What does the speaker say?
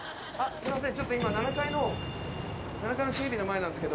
すいません。